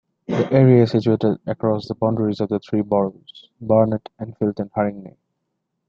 The area is situated across the boundaries of three boroughs: Barnet, Enfield and Haringey.